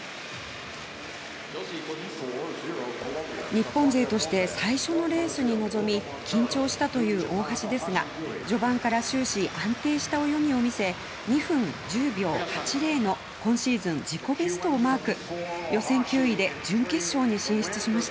日本勢として最初のレースに臨み緊張したという大橋ですが序盤から終始安定した泳ぎを見せ２分１０秒８０の今シーズンベストをマーク。